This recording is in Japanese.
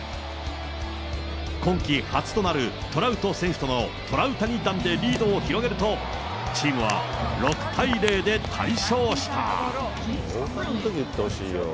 今季初となるトラウト選手とのトラウタニ弾でリードを広げると、チームは６対０で大勝した。